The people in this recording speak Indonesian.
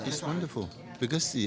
karena ini membantu banyak orang